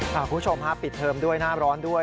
คุณผู้ชมฮะปิดเทอมด้วยหน้าร้อนด้วย